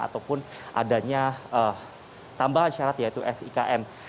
ataupun adanya tambahan syarat yaitu sikm